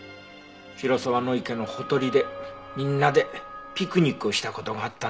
広沢池のほとりでみんなでピクニックをした事があったんだって。